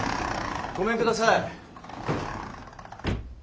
ごめんください。